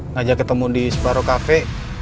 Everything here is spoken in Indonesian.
ngajak ketemu di sparrow cafe